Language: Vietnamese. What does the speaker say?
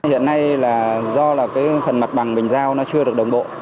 hiện nay do phần mặt bằng mình giao chưa được đồng bộ